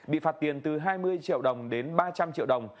bị phạt tiền từ hai mươi triệu đồng đến ba trăm linh triệu đồng